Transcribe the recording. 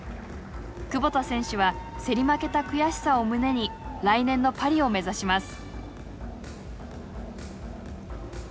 窪田選手は競り負けた悔しさを胸に来年のパリを目指します。